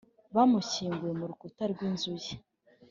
Bamushyinguye murukuta rwinzuye